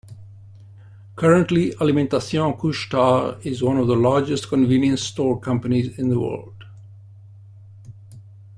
Currently Alimentation Couche-Tard is one of the largest convenience store companies in the world.